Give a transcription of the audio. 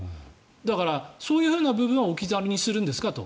だから、そういう部分は置き去りにするんですかと。